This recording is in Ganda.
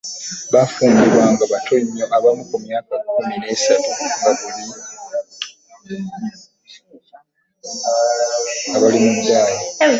Baafumbirwanga bato nnyo abamu ku myaka kkumi n'esatu nga bali mu ddaya!